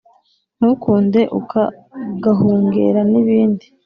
ntukunde uka gahungera ni bindi